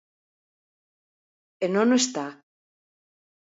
E non o está.